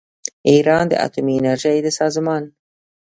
ایران د اتومي انرژۍ د سازمان